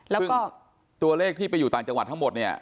แล้วก็ตัวเลขที่ไปอยู่ต่างจังหวัดทั้งหมดนี้